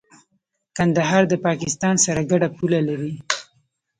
کندهار د پاکستان سره ګډه پوله لري.